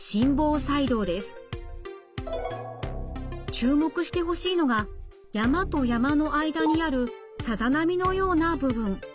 注目してほしいのが山と山の間にあるさざ波のような部分。